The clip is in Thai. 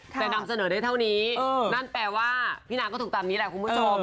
แต่นำเสนอได้เท่านี้นั่นแปลว่าพี่นางก็ถูกตามนี้แหละคุณผู้ชม